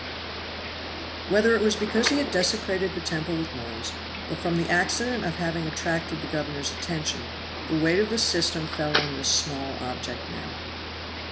Whether it was because he had desecrated the temple with noise, or from the accident of having attracted the governor's attention, the weight of the system fell on this small object now.